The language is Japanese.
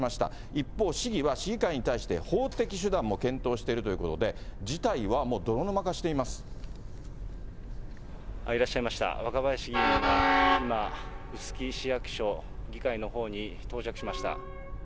一方、市議は市議会に対して法的手段も検討しているということで、いらっしゃいました、若林議員が今、臼杵市役所議会のほうに到着しました。